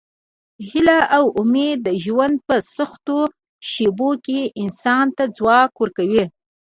هیله او امید د ژوند په سختو شېبو کې انسان ته ځواک ورکوي.